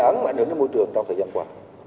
mà đứng trên môi trường trong thời gian qua